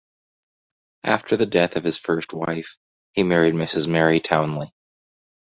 After the death of his first wife, he married Mrs. Mary Townley.